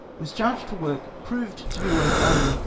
was charged for work proved to be worth only 37